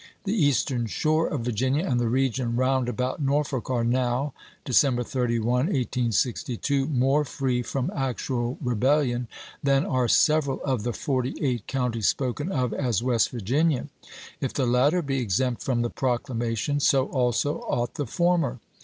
The Eastern Shore of Virginia and the region round about Norfolk are now (December 31, 1862) more free from actual rebellion than are several of the forty eight counties spoken of as West Virginia. If the latter be exempt from the proclamation, so also ought the former.